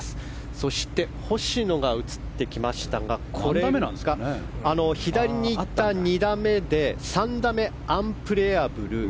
そして星野が映ってきましたが左にいった２打目で３打目、アンプレヤブル。